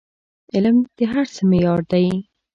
عمل د هر څه معیار دی.